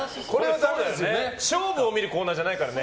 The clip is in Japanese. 勝負を見るコーナーじゃないからね。